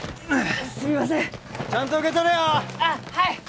あっはい！